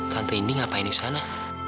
tante ini ngapain di sana